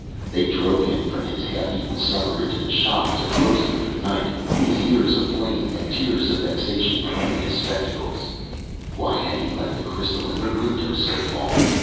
They drove him from his half eaten supper into the shop, to close it for the night, his ears aflame and tears of vexation behind his spectacles. "Why had he left the crystal in the window so long?